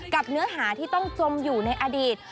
เนื้อหาที่ต้องจมอยู่ในอดีต